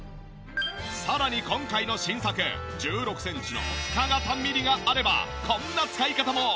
さらに今回の新作１６センチの深型ミニがあればこんな使い方も。